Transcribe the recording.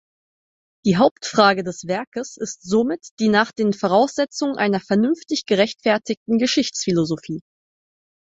Die Hauptfrage des Werkes ist somit die nach den Voraussetzungen einer vernünftig gerechtfertigten Geschichtsphilosophie.